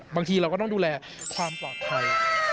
บางทีเราก็ต้องดูแลความปลอดภัย